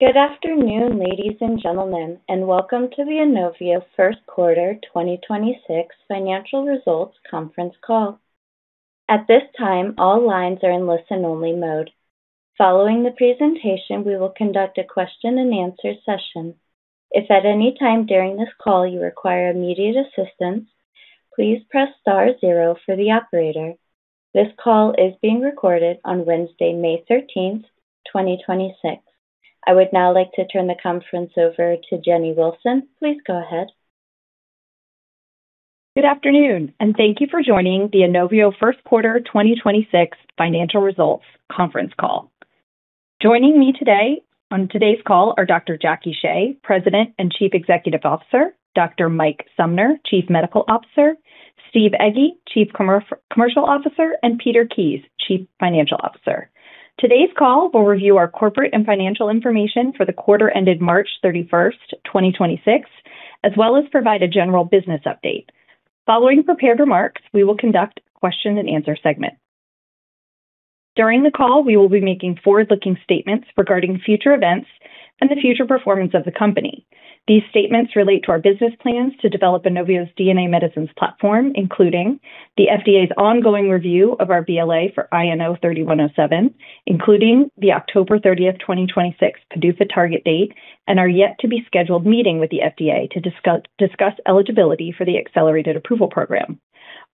Good afternoon, ladies and gentlemen, and welcome to the Inovio first-quarter 2026 financial results conference call. At this time, all lines are in listen-only mode. Following the presentation, we will conduct a question and answer session. If at any time during this call you require immediate assistance, please press star zero for the operator. This call is being recorded on Wednesday, May 13th, 2026. I would now like to turn the conference over to Jennie Willson. Please go ahead. Good afternoon, and thank you for joining the Inovio first quarter 2026 financial results conference call. Joining me today on today's call are Dr. Jacqueline Shea, President and Chief Executive Officer; Dr. Michael Sumner, Chief Medical Officer; Steve Egge, Chief Commercial Officer; and Peter Kies, Chief Financial Officer. Today's call will review our corporate and financial information for the quarter ended March 31st, 2026, as well as provide a general business update. Following prepared remarks, we will conduct a question-and-answer segment. During the call, we will be making forward-looking statements regarding future events and the future performance of the company. These statements relate to our business plans to develop Inovio's DNA medicines platform, including the FDA's ongoing review of our BLA for INO-3107, including the October 30, 2026, PDUFA target date, and our yet-to-be-scheduled meeting with the FDA to discuss eligibility for the accelerated approval program.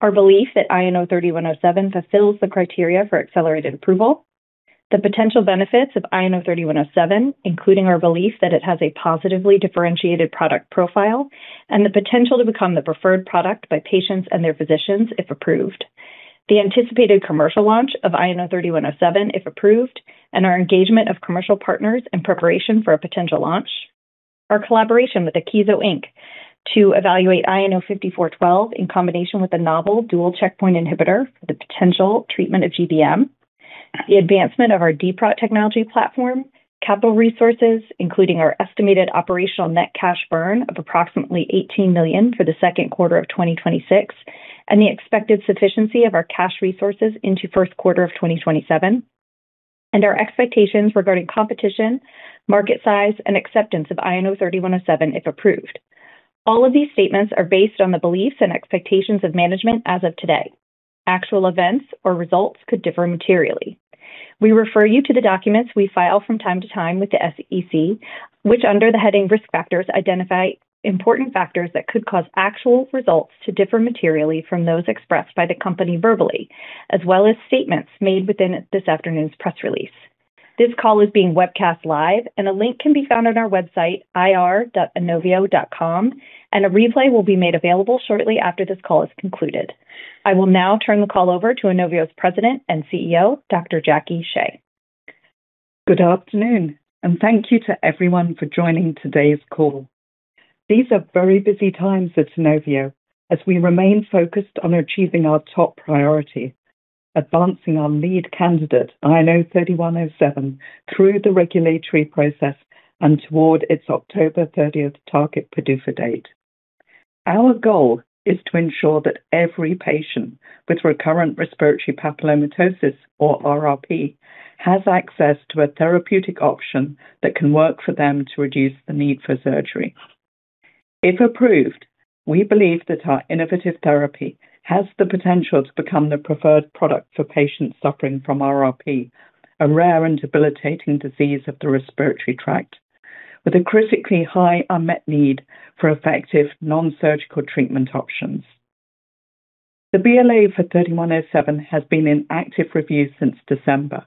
Our belief that INO-3107 fulfills the criteria for accelerated approval and the potential benefits of INO-3107, including our belief that it has a positively differentiated product profile and the potential to become the preferred product by patients and their physicians if approved. The anticipated commercial launch of INO-3107, if approved, and our engagement of commercial partners in preparation for a potential launch. Our collaboration with Akeso, Inc to evaluate INO-5412 in combination with a novel dual checkpoint inhibitor for the potential treatment of GBM. The advancement of our dPROT technology platform; capital resources, including our estimated operational net cash burn of approximately $18 million for the second quarter of 2026, and the expected sufficiency of our cash resources into first quarter of 2027. Our expectations regarding competition, market size, and acceptance of INO-3107 if approved. All of these statements are based on the beliefs and expectations of management as of today. Actual events or results could differ materially. We refer you to the documents we file from time to time with the SEC, which, under the heading Risk Factors, identify important factors that could cause actual results to differ materially from those expressed by the company verbally, as well as statements made within this afternoon's press release. This call is being webcast live, and a link can be found on our website, ir.inovio.com, and a replay will be made available shortly after this call is concluded. I will now turn the call over to Inovio's President and CEO, Dr. Jacqueline Shea. Good afternoon, and thank you to everyone for joining today's call. These are very busy times at Inovio as we remain focused on achieving our top priority, advancing our lead candidate, INO-3107, through the regulatory process and toward its October 30th target PDUFA date. Our goal is to ensure that every patient with Recurrent Respiratory Papillomatosis, or RRP, has access to a therapeutic option that can work for them to reduce the need for surgery. If approved, we believe that our innovative therapy has the potential to become the preferred product for patients suffering from RRP, a rare and debilitating disease of the respiratory tract, with a critically high unmet need for effective non-surgical treatment options. The BLA for 3107 has been in active review since December,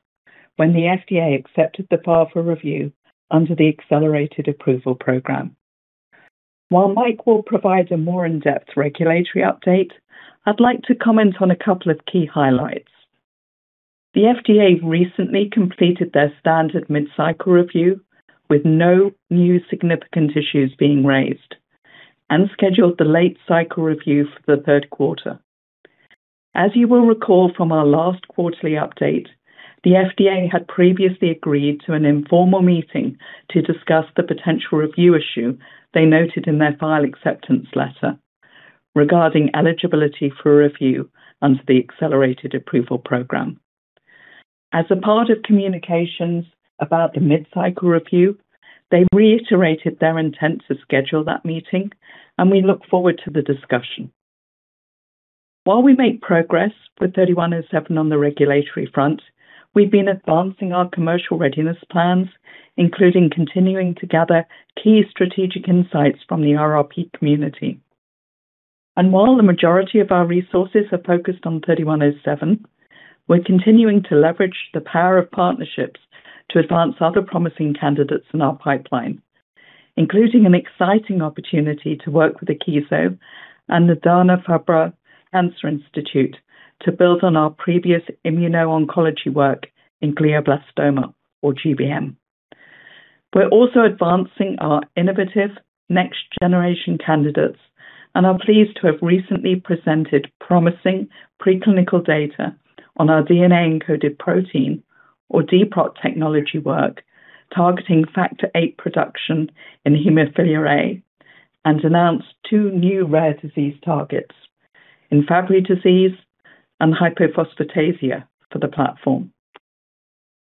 when the FDA accepted the file for review under the Accelerated Approval program. While Mike will provide a more in-depth regulatory update, I'd like to comment on a couple of key highlights. The FDA recently completed their standard mid-cycle review with no new significant issues being raised and scheduled the late-cycle review for the third quarter. As you will recall from our last quarterly update, the FDA had previously agreed to an informal meeting to discuss the potential review issue they noted in their file acceptance letter regarding eligibility for review under the accelerated approval program. As a part of communications about the mid-cycle review, they reiterated their intent to schedule that meeting, and we look forward to the discussion. While we make progress with INO-3107 on the regulatory front, we've been advancing our commercial readiness plans, including continuing to gather key strategic insights from the RRP community. While the majority of our resources are focused on INO-3107, we're continuing to leverage the power of partnerships to advance other promising candidates in our pipeline, including an exciting opportunity to work with Akeso and the Dana-Farber Cancer Institute to build on our previous immuno-oncology work in glioblastoma, or GBM. We're also advancing our innovative next-generation candidates and are pleased to have recently presented promising preclinical data on our DNA-encoded protein or dPROT technology work targeting factor VIII production in hemophilia A and announced two new rare disease targets. In Fabry disease and hypophosphatasia for the platform.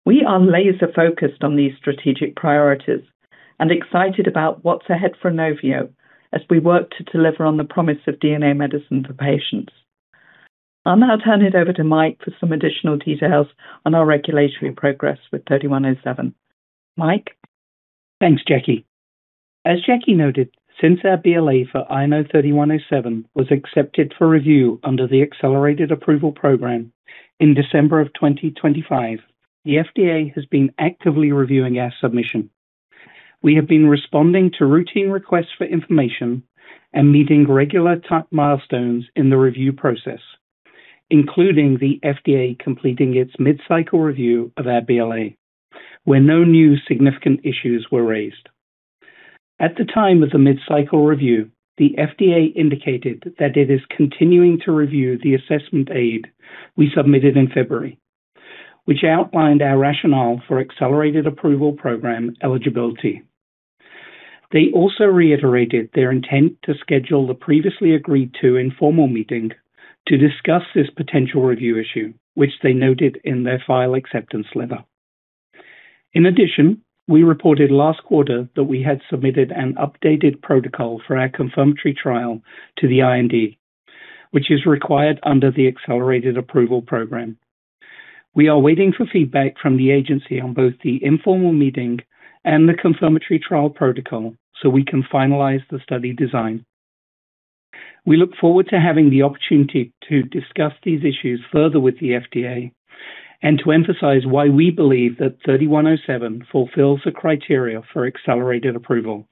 We are laser-focused on these strategic priorities and excited about what's ahead for Inovio as we work to deliver on the promise of DNA medicine for patients. I'll now turn it over to Mike for some additional details on our regulatory progress with INO-3107. Mike? Thanks, Jacque. As Jackie noted, since our BLA for INO was accepted for review under the Accelerated Approval Program in December of 2025, the FDA has been actively reviewing our submission. We have been responding to routine requests for information and meeting regular milestones in the review process, including the FDA completing its mid-cycle review of our BLA, where no new significant issues were raised. At the time of the mid-cycle review, the FDA indicated that it is continuing to review the assessment aid we submitted in February, which outlined our rationale for Accelerated Approval Program eligibility. They also reiterated their intent to schedule the previously agreed to informal meeting to discuss this potential review issue, which they noted in their file acceptance letter. In addition, we reported last quarter that we had submitted an updated protocol for our confirmatory trial to the IND, which is required under the Accelerated Approval Program. We are waiting for feedback from the agency on both the informal meeting and the confirmatory trial protocol so we can finalize the study design. We look forward to having the opportunity to discuss these issues further with the FDA and to emphasize why we believe that INO-3107 fulfills the criteria for accelerated approval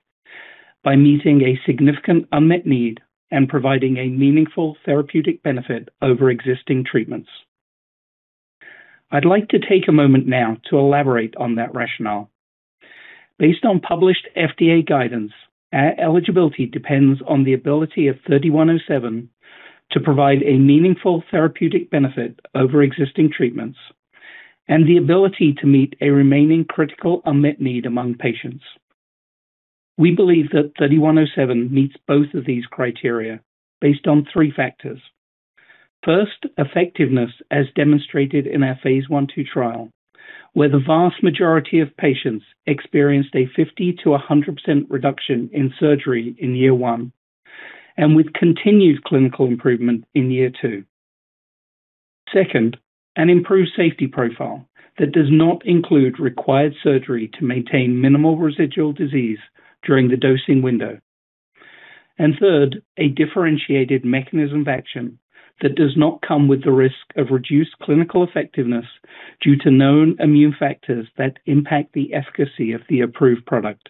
by meeting a significant unmet need and providing a meaningful therapeutic benefit over existing treatments. I'd like to take a moment now to elaborate on that rationale. Based on published FDA guidance, our eligibility depends on the ability of INO-3107 to provide a meaningful therapeutic benefit over existing treatments and the ability to meet a remaining critical unmet need among patients. We believe that INO-3107 meets both of these criteria based on three factors. First, effectiveness as demonstrated in our phase I/II trial, where the vast majority of patients experienced a 50%-100% reduction in surgery in year one, and with continued clinical improvement in year two. Second, an improved safety profile that does not include required surgery to maintain minimal residual disease during the dosing window. Third, a differentiated mechanism of action that does not come with the risk of reduced clinical effectiveness due to known immune factors that impact the efficacy of the approved product,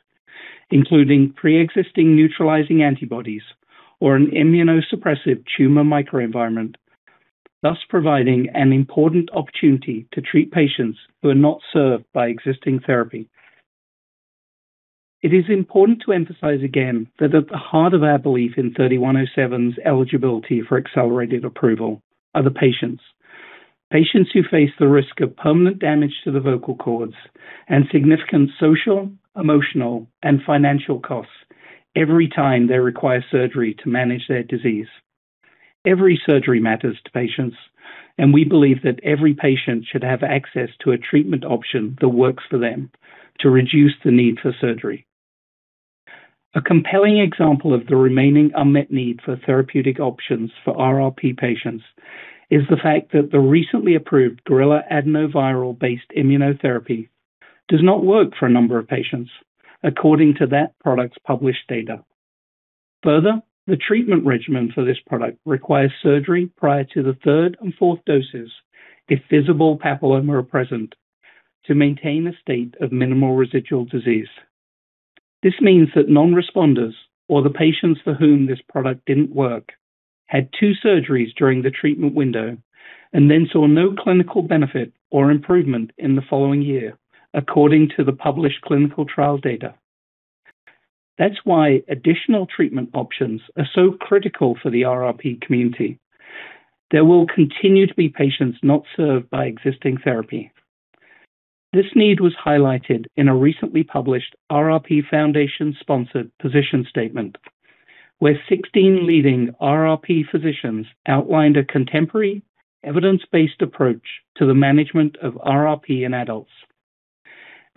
including preexisting neutralizing antibodies or an immunosuppressive tumor microenvironment, thus providing an important opportunity to treat patients who are not served by existing therapy. It is important to emphasize again that at the heart of our belief in INO-3107's eligibility for accelerated approval are the patients who face the risk of permanent damage to the vocal cords and significant social, emotional, and financial costs every time they require surgery to manage their disease. Every surgery matters to patients. We believe that every patient should have access to a treatment option that works for them to reduce the need for surgery. A compelling example of the remaining unmet need for therapeutic options for RRP patients is the fact that the recently approved gorilla adenovirus-based immunotherapy does not work for a number of patients according to that product's published data. Further, the treatment regimen for this product requires surgery prior to the third and fourth doses if visible papilloma are present to maintain a state of minimal residual disease. This means that non-responders, or the patients for whom this product didn't work, had two surgeries during the treatment window and then saw no clinical benefit or improvement in the following year according to the published clinical trial data. That's why additional treatment options are so critical for the RRP community. There will continue to be patients not served by existing therapy. This need was highlighted in a recently published RRP Foundation-sponsored position statement, where 16 leading RRP physicians outlined a contemporary evidence-based approach to the management of RRP in adults.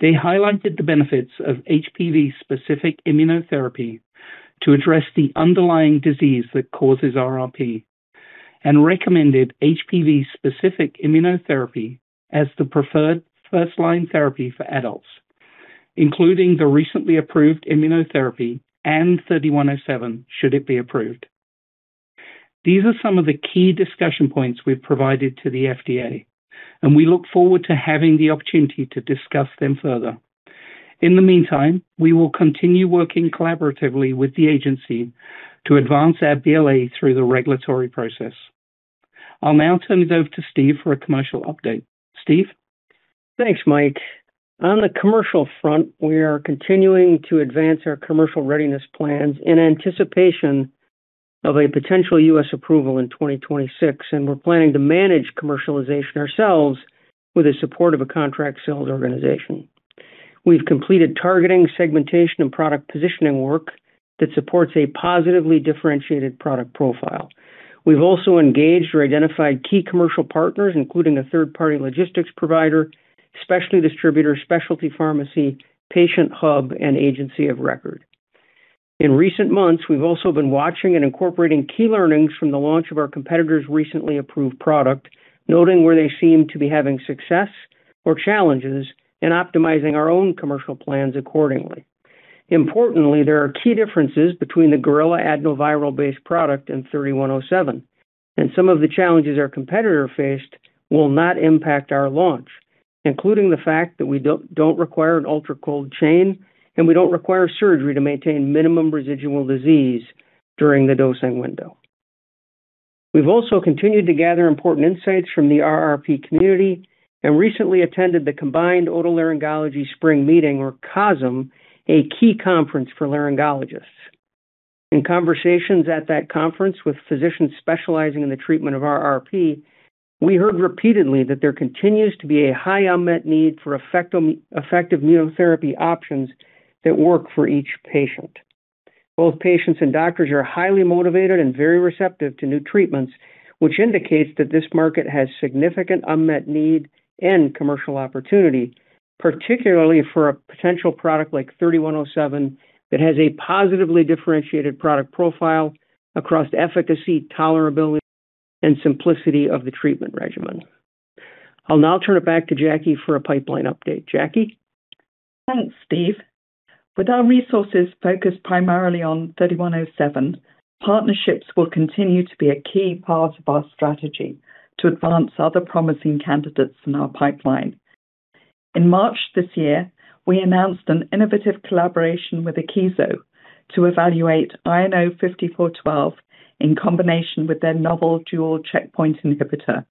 They highlighted the benefits of HPV-specific immunotherapy to address the underlying disease that causes RRP and recommended HPV-specific immunotherapy as the preferred first-line therapy for adults, including the recently approved immunotherapy and INO-3107 should it be approved. These are some of the key discussion points we've provided to the FDA, and we look forward to having the opportunity to discuss them further. In the meantime, we will continue working collaboratively with the agency to advance our BLA through the regulatory process. I'll now turn it over to Steve for a commercial update. Steve? Thanks, Mike. On the commercial front, we are continuing to advance our commercial readiness plans in anticipation of a potential U.S. approval in 2026, and we're planning to manage commercialization ourselves with the support of a contract sales organization. We've completed targeting, segmentation, and product positioning work that supports a positively differentiated product profile. We've also engaged or identified key commercial partners, including a third-party logistics provider, specialty distributor, specialty pharmacy, patient hub, and agency of record. In recent months, we've also been watching and incorporating key learnings from the launch of our competitor's recently approved product, noting where they seem to be having success or challenges in optimizing our own commercial plans accordingly. Importantly, there are key differences between the gorilla adenovirus-based product and INO-3107, and some of the challenges our competitor faced will not impact our launch, including the fact that we don't require an ultra-cold chain, and we don't require surgery to maintain minimum residual disease during the dosing window. We've also continued to gather important insights from the RRP community and recently attended the Combined Otolaryngology Spring Meetings, or COSM, a key conference for laryngologists. In conversations at that conference with physicians specializing in the treatment of RRP, we heard repeatedly that there continues to be a high unmet need for effective immunotherapy options that work for each patient. Both patients and doctors are highly motivated and very receptive to new treatments, which indicates that this market has significant unmet need and commercial opportunity, particularly for a potential product like INO-3107 that has a positively differentiated product profile across efficacy, tolerability, and simplicity of the treatment regimen. I'll now turn it back to Jackie for a pipeline update. Jackie? Thanks, Steve. With our resources focused primarily on INO-3107, partnerships will continue to be a key part of our strategy to advance other promising candidates in our pipeline. In March this year, we announced an innovative collaboration with Akeso to evaluate INO-5412 in combination with their novel dual checkpoint inhibitor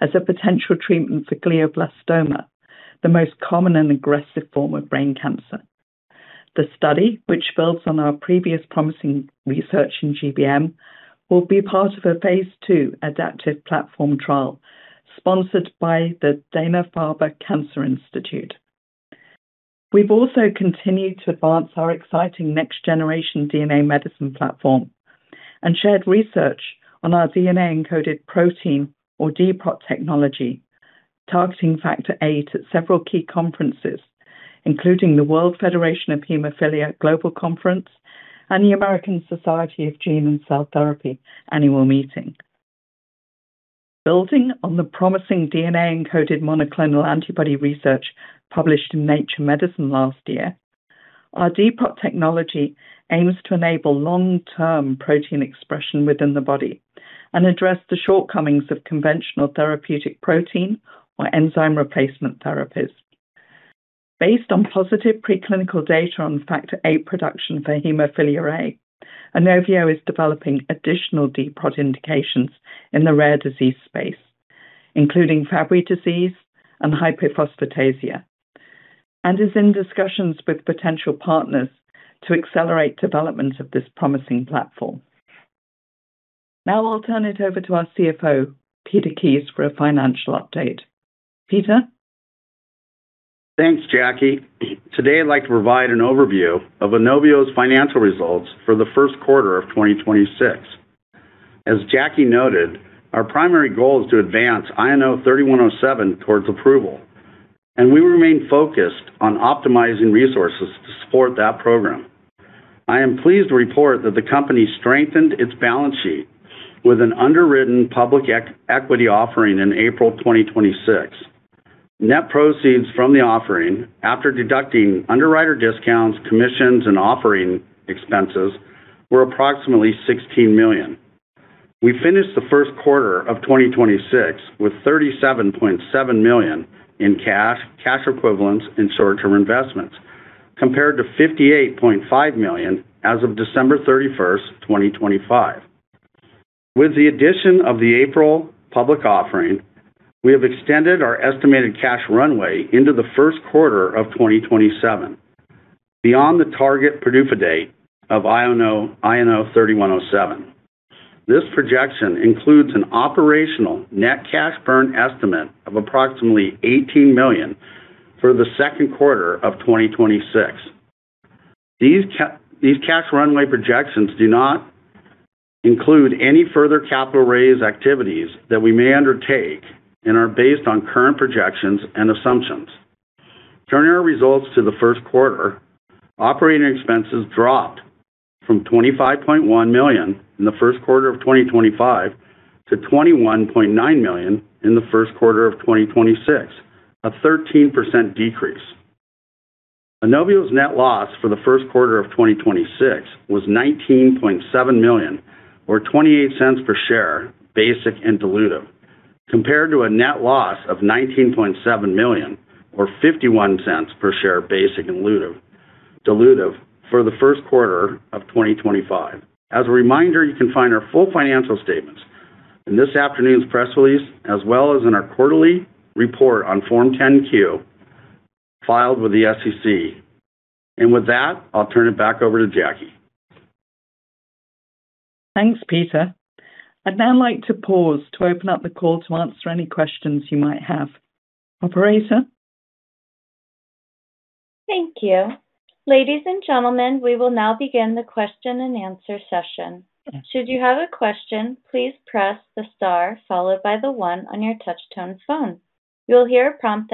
as a potential treatment for glioblastoma, the most common and aggressive form of brain cancer. The study, which builds on our previous promising research in GBM, will be part of a phase II adaptive platform trial sponsored by the Dana-Farber Cancer Institute. We've also continued to advance our exciting next-generation DNA medicine platform and shared research on our DNA-encoded protein, or dPROT, technology targeting factor VIII at several key conferences, including the World Federation of Hemophilia World Congress and the American Society of Gene & Cell Therapy Annual Meeting. Building on the promising DNA-encoded monoclonal antibody research published in Nature Medicine last year, our dPROT technology aims to enable long-term protein expression within the body and address the shortcomings of conventional therapeutic protein or enzyme replacement therapies. Based on positive preclinical data on factor VIII production for hemophilia A, Inovio is developing additional dPROT indications in the rare disease space, including Fabry disease and hypophosphatasia, and is in discussions with potential partners to accelerate development of this promising platform. Now I'll turn it over to our CFO, Peter Kies, for a financial update. Peter? Thanks, Jacque. Today I'd like to provide an overview of Inovio's financial results for the first quarter of 2026. As Jacque noted, our primary goal is to advance INO-3107 towards approval, and we remain focused on optimizing resources to support that program. I am pleased to report that the company strengthened its balance sheet with an underwritten public equity offering in April 2026. Net proceeds from the offering, after deducting underwriter discounts, commissions, and offering expenses, were approximately $16 million. We finished the first quarter of 2026 with $37.7 million in cash equivalents and short-term investments, compared to $58.5 million as of December 31, 2025. With the addition of the April public offering, we have extended our estimated cash runway into the first quarter of 2027, beyond the target PDUFA date of INO-3107. This projection includes an operational net cash burn estimate of approximately $18 million for the second quarter of 2026. These cash runway projections do not include any further capital raise activities that we may undertake and are based on current projections and assumptions. Turning to our results to the first quarter, operating expenses dropped from $25.1 million in the first quarter of 2025-$21.9 million in the first quarter of 2026, a 13% decrease. Inovio's net loss for the first quarter of 2026 was $19.7 million, or $0.28 per share basic and dilutive, compared to a net loss of $19.7 million, or $0.51 per share basic and dilutive, for the first quarter of 2025. As a reminder, you can find our full financial statements in this afternoon's press release as well as in our quarterly report on Form 10-Q filed with the SEC. With that, I'll turn it back over to Jacque. Thanks, Peter. I'd now like to pause to open up the call to answer any questions you might have. Operator? Thank you. Ladies and gentlemen, we will now begin the question and answer session. One moment, please,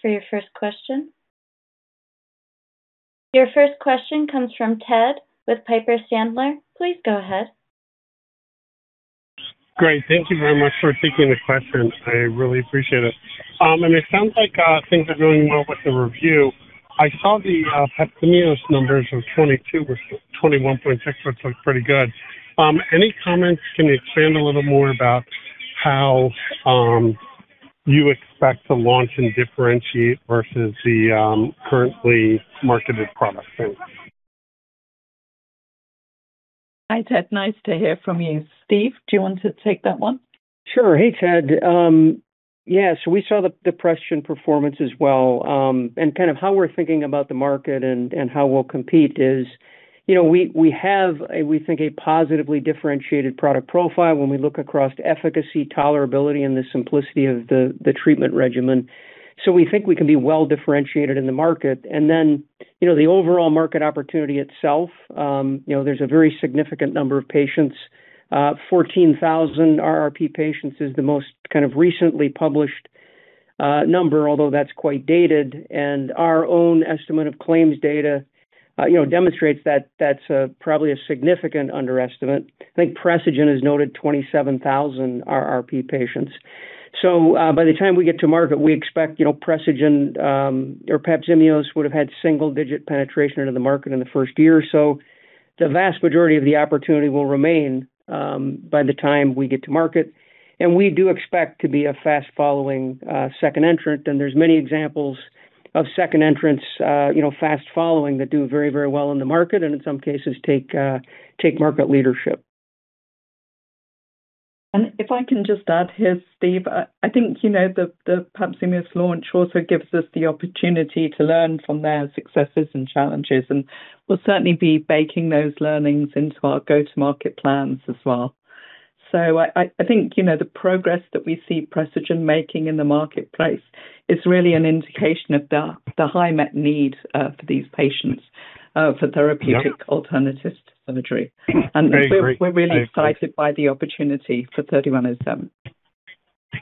for your first question. Your first question comes from Ted with Piper Sandler. Please go ahead. Great. Thank you very much for taking the questions. I really appreciate it. It sounds like things are going well with the review. I saw the Papzimeos numbers of 22 versus 21.6, which look pretty good. Any comments? Can you expand a little more about how you expect to launch and differentiate versus the currently marketed products? Thanks. Hi, Ted Nice to hear from you. Steve, do you want to take that one? Sure. Hey, Ted. Yeah. We saw the Precigen performance as well. Kind of how we're thinking about the market and how we'll compete is, you know, we have a, we think, positively differentiated product profile when we look across efficacy, tolerability, and the simplicity of the treatment regimen. We think we can be well-differentiated in the market. The overall market opportunity itself, you know, there's a very significant number of patients. 14,000 RRP patients is the most kind of published number, although that's quite dated. Our own estimate of claims data, you know, demonstrates that that's probably a significant underestimate. I think Precigen has noted 27,000 RRP patients. By the time we get to market, we expect, you know, Precigen, or Papzimeos would have had single-digit penetration into the market in the first year. The vast majority of the opportunity will remain by the time we get to market. We do expect to be a fast-following second entrant. There's many examples of second entrants, you know, fast following that do very, very well in the market and, in some cases, take market leadership. If I can just add here, Steve. I think, you know, the Papzimeos launch also gives us the opportunity to learn from their successes and challenges, and we'll certainly be baking those learnings into our go-to-market plans as well. I think, you know, the progress that we see Precigen making in the marketplace is really an indication of the high met need, for these patients, for therapeutic- Yep alternatives to surgery. Very great. We're really excited by the opportunity for INO-3107.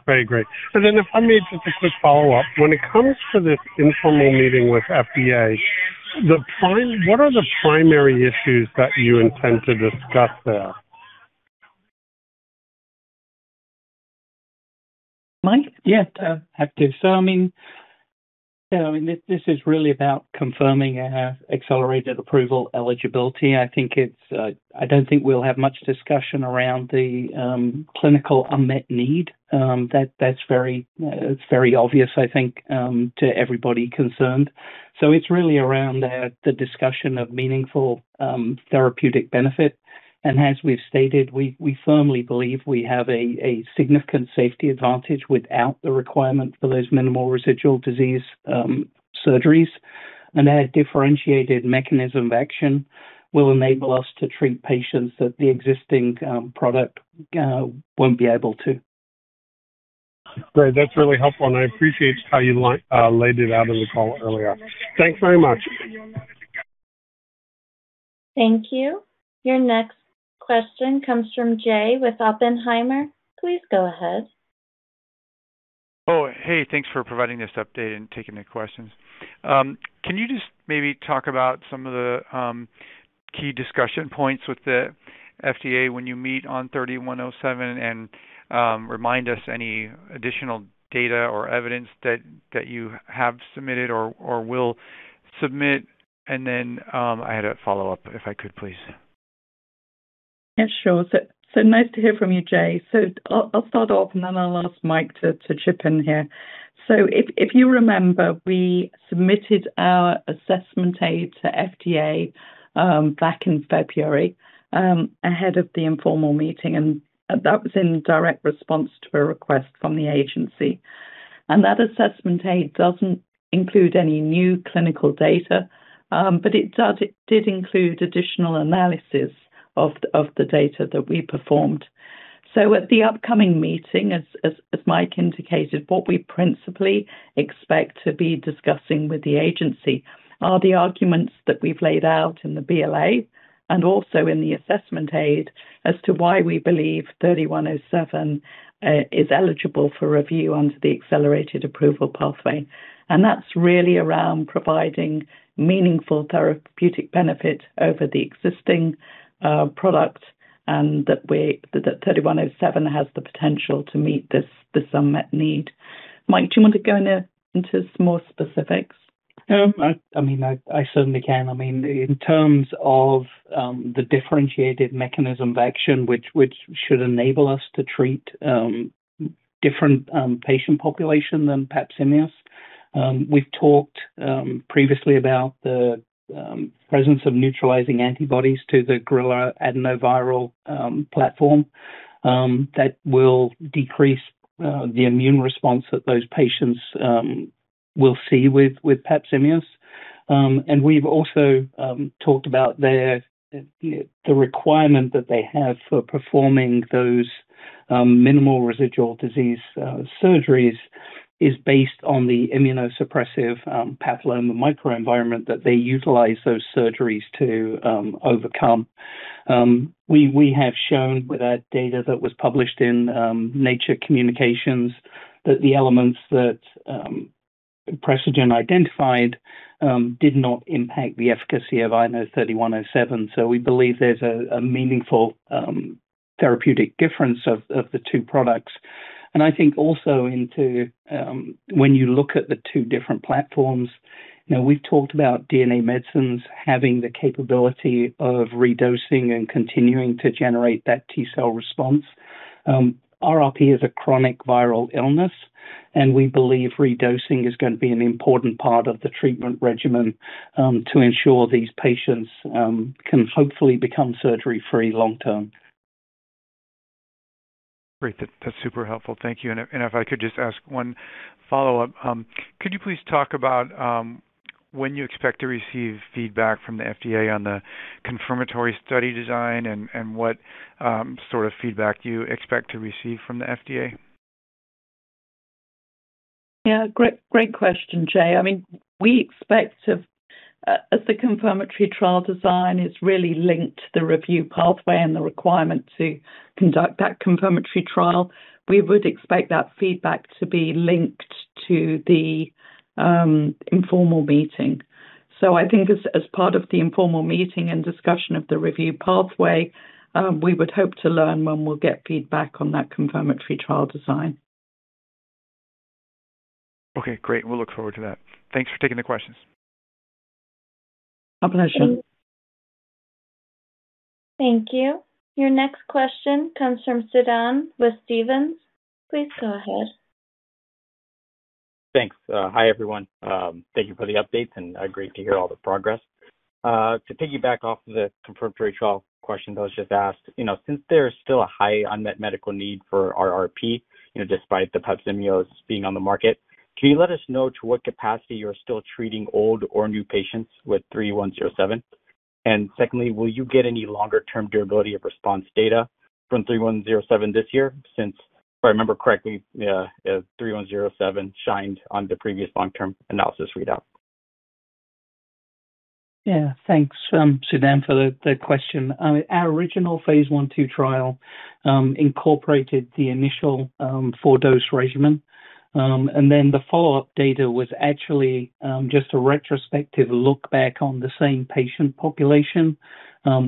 Very great. If I may, just a quick follow-up. When it comes to this informal meeting with FDA, what are the primary issues that you intend to discuss there? Mike? Yeah, happy to. I mean, yeah, I mean, this is really about confirming our accelerated approval eligibility. I think it's—I don't think we'll have much discussion around the clinical unmet need. That's very, it's very obvious, I think—to everybody concerned. It's really around the discussion of meaningful therapeutic benefit. As we've stated, we firmly believe we have a significant safety advantage without the requirement for those minimal residual disease surgeries. Our differentiated mechanism of action will enable us to treat patients that the existing product won't be able to. Great. That's really helpful. I appreciate how you laid it out in the call earlier. Thanks very much. Thank you. Your next question comes from Jay with Oppenheimer. Please go ahead. Hey. Thanks for providing this update and taking the questions. Can you just maybe talk about some of the key discussion points with the FDA when you meet on thirty-one oh seven and remind us any additional data or evidence that you have submitted or will submit? I had a follow-up, if I could, please. Yeah, sure. Nice to hear from you, Jay. I'll start off, and then I'll ask Mike to chip in here. If you remember, we submitted our assessment aid to FDA back in February ahead of the informal meeting, and that was in direct response to a request from the agency. That assessment aid doesn't include any new clinical data, but it did include additional analysis of the data that we performed. At the upcoming meeting, as Mike indicated, what we principally expect to be discussing with the agency are the arguments that we've laid out in the BLA and also in the assessment aid as to why we believe INO-3107 is eligible for review under the accelerated approval pathway. That's really around providing meaningful therapeutic benefit over the existing product, and INO-3107 has the potential to meet this unmet need. Mike, do you want to go into some more specifics? I mean, I certainly can. I mean, in terms of the differentiated mechanism of action, which should enable us to treat a different patient population than Papzimeos. We've talked previously about the presence of neutralizing antibodies to the gorilla adenoviral platform that will decrease the immune response that those patients will see with Papzimeos. We've also talked about their the requirement that they have for performing those minimal residual disease surgeries is based on the immunosuppressive path and the microenvironment that they utilize those surgeries to overcome. We have shown with our data that was published in Nature Communications that the elements that Precigen identified did not impact the efficacy of INO-3107. We believe there's a meaningful therapeutic difference of the two products. I think also when you look at the two different platforms, you know, we've talked about DNA medicines having the capability of redosing and continuing to generate that T-cell response. RRP is a chronic viral illness, and we believe redosing is going to be an important part of the treatment regimen to ensure these patients can hopefully become surgery-free long term. Great. That's super helpful. Thank you. If I could just ask one follow-up. Could you please talk about when you expect to receive feedback from the FDA on the confirmatory study design, and what sort of feedback do you expect to receive from the FDA? Yeah. Great, great question, Jay. I mean, we expect to, as the confirmatory trial design is really linked to the review pathway, and the requirement to conduct that confirmatory trial, we would expect that feedback to be linked to the informal meeting. I think as part of the informal meeting and discussion of the review pathway, we would hope to learn when we'll get feedback on that confirmatory trial design. Okay, great. We'll look forward to that. Thanks for taking the questions. My pleasure. Thank you. Your next question comes from Sudhan with Stephens. Please go ahead. Thanks. Hi, everyone. Thank you for the updates; it's great to hear all the progress. To piggyback off of the confirmatory trial question that was just asked, you know, since there is still a high unmet medical need for RRP, you know, despite Papzimeos being on the market, can you let us know to what capacity you're still treating old or new patients with INO-3107? Secondly, will you get any longer-term durability of response data from INO-3107 this year since, if I remember correctly, INO-3107 shined on the previous long-term analysis readout? Thanks, Sudhan, for the question. Our original phase I/II trial incorporated the initial four-dose regimen. The follow-up data was actually just a retrospective look back on the same patient population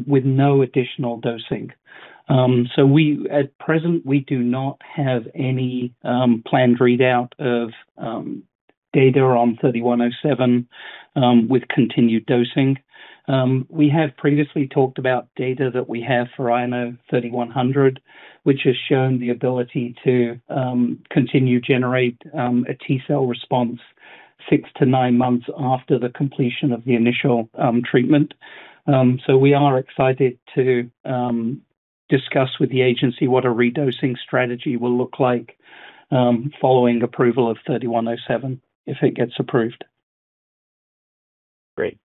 with no additional dosing. We, at present, do not have any planned readout of data on INO-3107 with continued dosing. We have previously talked about data that we have for VGX-3100, which has shown the ability to continue generate a T-cell response six-nine months after the completion of the initial treatment. We are excited to discuss with the agency what a redosing strategy will look like following approval of INO-3107 if it gets approved. Great.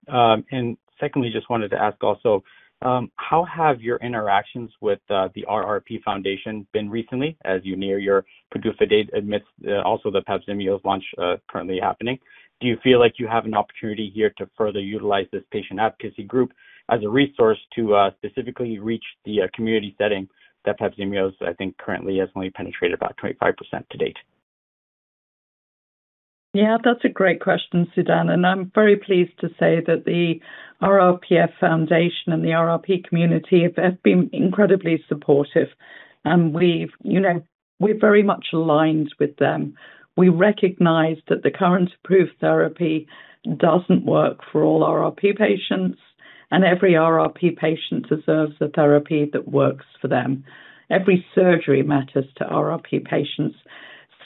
Secondly, I just wanted to also ask, how have your interactions with the RRP Foundation been recently as you near your PDUFA date amidst also the Papzimeos launch, currently happening? Do you feel like you have an opportunity here to further utilize this patient advocacy group as a resource to specifically reach the community setting that Papzimeos, I think, has currently only penetrated about 25% to date? That's a great question, Sudhan, and I'm very pleased to say that the RRPF Foundation and the RRP community have been incredibly supportive. We've, you know, we're very much aligned with them. We recognize that the current approved therapy doesn't work for all RRP patients, and every RRP patient deserves a therapy that works for them. Every surgery matters to RRP patients.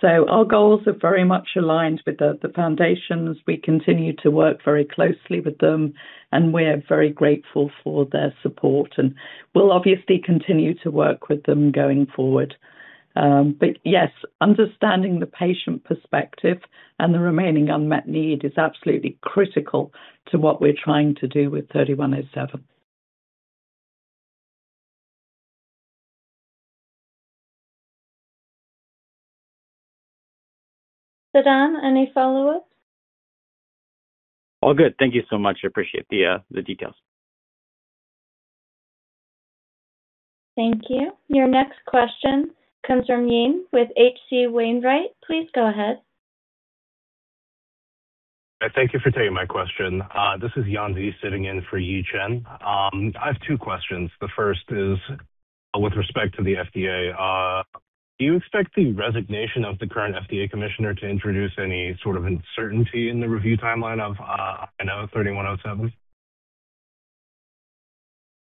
Our goals are very much aligned with the foundation's. We continue to work very closely with them, and we're very grateful for their support, and we'll obviously continue to work with them going forward. Yes, understanding the patient perspective and the remaining unmet need is absolutely critical to what we're trying to do with INO-3107. Sudhan, any follow-ups? All good. Thank you so much. I appreciate the details. Thank you. Your next question comes from Yi Chen with H.C. Wainwright. Please go ahead. Thank you for taking my question. This is Yan Zi sitting in for Yi Chen. I have two questions. The first is with respect to the FDA. Do you expect the resignation of the current FDA commissioner to introduce any sort of uncertainty in the review timeline of INO-3107?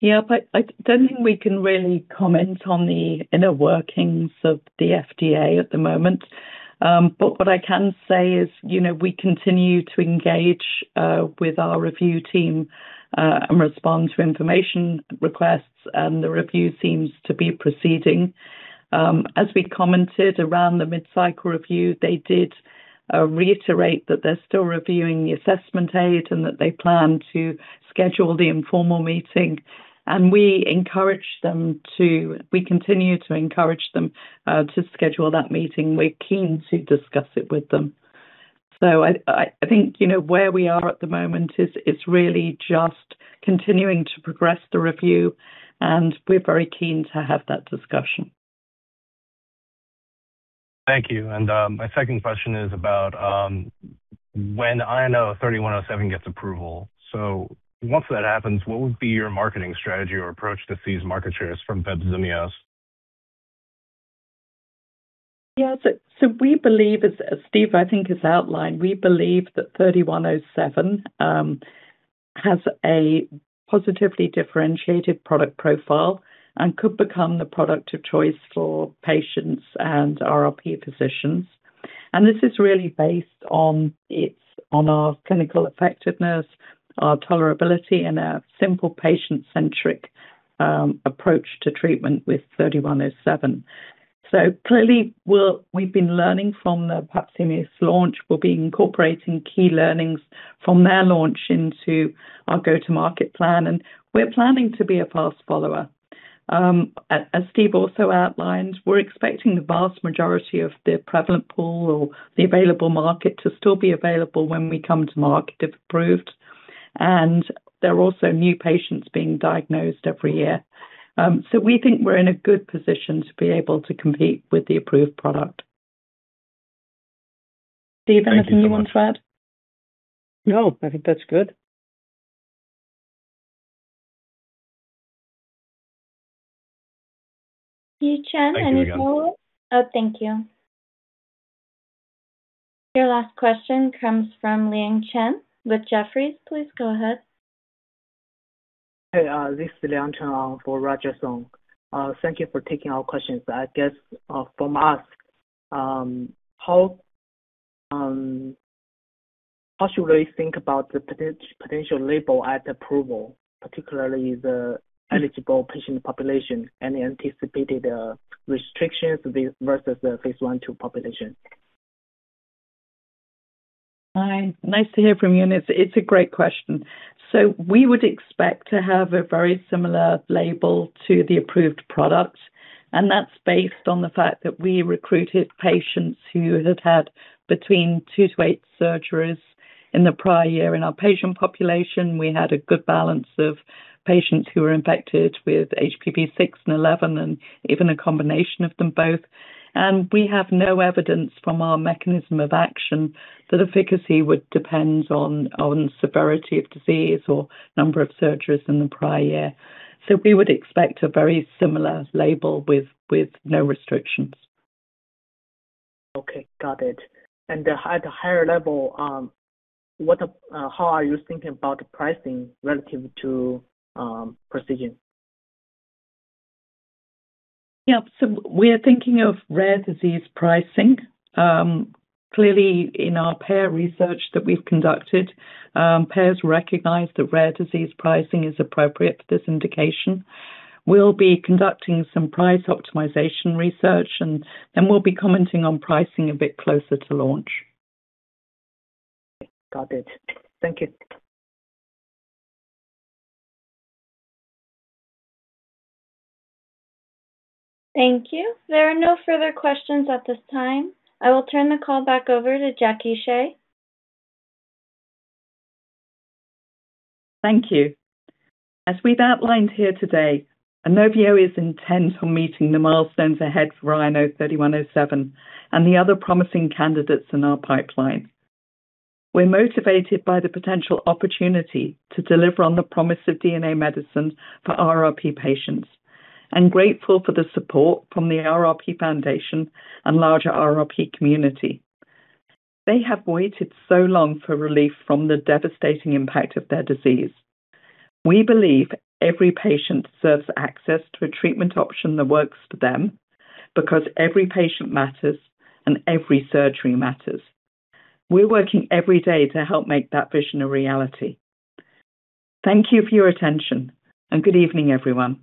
Yeah, I don't think we can really comment on the inner workings of the FDA at the moment. What I can say is, you know, we continue to engage with our review team and respond to information requests, and the review seems to be proceeding. As we commented around the mid-cycle review, they did reiterate that they're still reviewing the assessment aid and that they plan to schedule the informal meeting. We continue to encourage them to schedule that meeting. We're keen to discuss it with them. I think, you know, where we are at the moment is really just continuing to progress the review, and we're very keen to have that discussion. Thank you. My second question is about when INO-3107 gets approval. Once that happens, what would be your marketing strategy or approach to seize market share from bexarotene? Yeah. We believe, as Steve, I think, has outlined, that INO-3107 has a positively differentiated product profile and could become the product of choice for patients and RRP physicians. This is really based on our clinical effectiveness, our tolerability, and a simple patient-centric approach to treatment with INO-3107. Clearly, we've been learning from the bexarotene launch. We'll be incorporating key learnings from their launch into our go-to-market plan, and we're planning to be a fast follower. As Steve also outlined, we're expecting the vast majority of the prevalent pool, or the available market, to still be available when we come to market, if approved. There are also new patients being diagnosed every year. We think we're in a good position to be able to compete with the approved product. Steve, anything you want to add? No, I think that's good. Anything. Any follow-up? Thank you again. Oh, thank you. Your last question comes from Liang Cheng with Jefferies. Please go ahead. Hey, this is Liang Cheng, for Roger Song. Thank you for taking our questions. I guess, from us, how should we think about the potential label at approval, particularly the eligible patient population and the anticipated restrictions versus the phase I/II population? Hi. Nice to hear from you, and it's a great question. We would expect to have a very similar label to the approved product, and that's based on the fact that we recruited patients who had had between two-eight surgeries in the prior year. In our patient population, we had a good balance of patients who were infected with HPV six and 11 and even a combination of them both. We have no evidence from our mechanism of action that efficacy would depend on severity of disease or number of surgeries in the prior year. We would expect a very similar label with no restrictions. Okay. Got it. At a higher level, how are you thinking about the pricing relative to the procedure? Yeah. We are thinking of rare disease pricing. Clearly, in our payer research that we've conducted, payers recognize that rare disease pricing is appropriate for this indication. We'll be conducting some price optimization research. We'll be commenting on pricing a bit closer to launch. Got it. Thank you. Thank you. There are no further questions at this time. I will turn the call back over to Jacqueline Shea. Thank you. As we've outlined here today, Inovio is intent on meeting the milestones ahead for INO-3107 and the other promising candidates in our pipeline. We're motivated by the potential opportunity to deliver on the promise of DNA medicine for RRP patients and grateful for the support from the RRP Foundation and larger RRP community. They have waited so long for relief from the devastating impact of their disease. We believe every patient deserves access to a treatment option that works for them because every patient matters and every surgery matters. We're working every day to help make that vision a reality. Thank you for your attention, and good evening, everyone.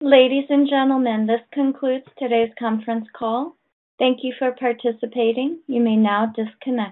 Ladies and gentlemen, this concludes today's conference call. Thank you for participating. You may now disconnect.